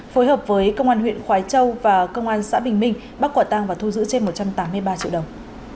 phối hợp với công an huyện khói châu và công an xã bình minh bắt quả tang và thu giữ trên một trăm tám mươi ba triệu đồng